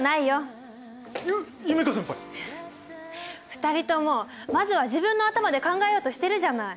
２人ともまずは自分の頭で考えようとしてるじゃない。